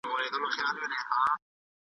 تاسي باید د اسمان په اړه ولولئ.